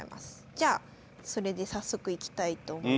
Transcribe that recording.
じゃあそれで早速いきたいと思います。